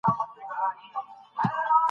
په هدفمند ژوند